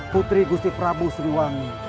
putri gusti prabu siliwangi